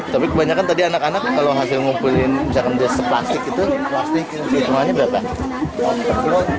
tapi kebanyakan tadi anak anak kalau hasil ngumpulin jangkauan plastik itu jumlahnya berapa